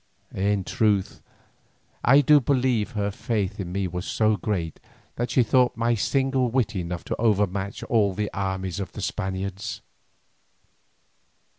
In truth I do believe her faith in me was so great, that she thought my single wit enough to over match all the armies of the Spaniards.